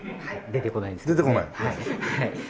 出てこない。